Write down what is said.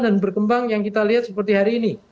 dan berkembang yang kita lihat seperti hari ini